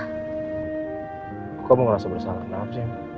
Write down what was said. kok kamu ngerasa bersalah kenapa sih